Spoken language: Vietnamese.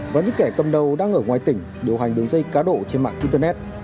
và những kẻ cầm đầu đang ở ngoài tỉnh điều hành đường dây cá độ trên mạng internet